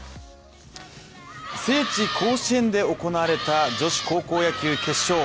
聖地・甲子園で行われた女子高校野球決勝。